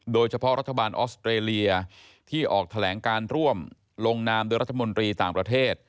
โดยเฉพาะรัฐบาลออสเตรเลียที่ออกแถลงการร่วมลงนามโดยรัฐมนตรีต่างประเทศ